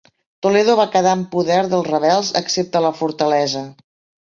Toledo va quedar en poder dels rebels excepte la fortalesa.